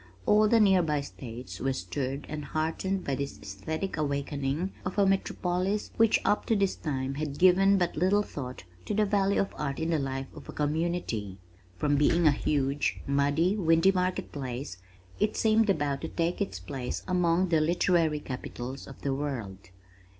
All the near by states were stirred and heartened by this esthetic awakening of a metropolis which up to this time had given but little thought to the value of art in the life of a community. From being a huge, muddy windy market place, it seemed about to take its place among the literary capitals of the world.